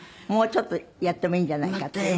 もうちょっとやってもいいんじゃないかって。